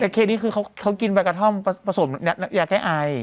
แต่เคนี่คือเขากินใบกระท่อมผสมยาแก้ไอ